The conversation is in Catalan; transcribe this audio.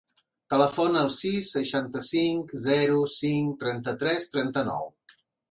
Telefona al sis, seixanta-cinc, zero, cinc, trenta-tres, trenta-nou.